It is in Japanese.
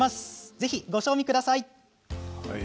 ぜひ、ご賞味ください。